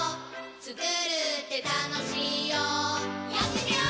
つくるってたのしいよやってみよー！